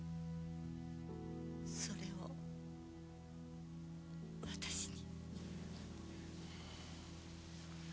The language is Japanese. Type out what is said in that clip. それを私に。